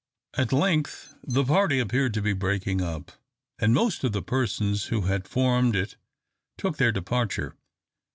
At length the party appeared to be breaking up, and most of the persons who had formed it took their departure.